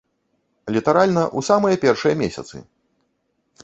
Літаральна ў самыя першыя месяцы.